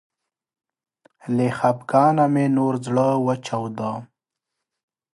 له خفګانه مې نور زړه وچاوده